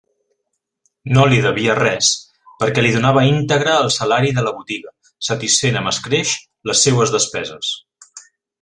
No li devia res, perquè li donava íntegre el salari de la botiga, satisfent amb escreix les seues despeses.